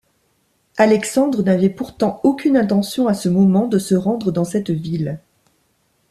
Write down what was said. Alexandre n'avait pourtant aucune intention à ce moment de se rendre dans cette ville.